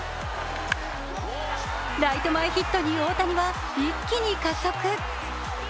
ライト前ヒットに大谷は一気に加速。